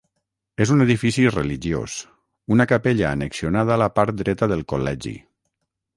És un edifici religiós, una capella annexionada a la part dreta del col·legi.